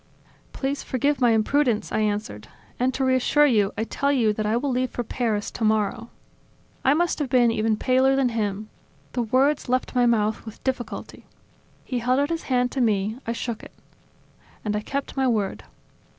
"Please forgive my imprudence," I answered. "And, to reassure you, I tell you that I will leave for Paris tomorrow." I must have been even paler than him; the words left my mouth with difficulty. He held out his hand to me; I shook it. And I kept my word.